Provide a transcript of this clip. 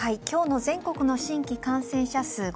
今日の全国の新規感染者数